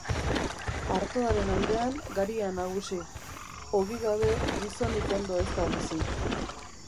Artoaren aldean garia nagusi, ogi gabe gizonik ondo ez da bizi.